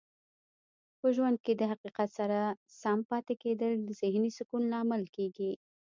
په ژوند کې د حقیقت سره سم پاتې کیدل د ذهنې سکون لامل کیږي.